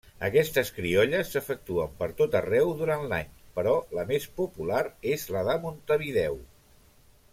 Aquestes criolles s'efectuen pertot arreu durant l'any, però la més popular és la de Montevideo.